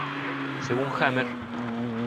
Según Hammer,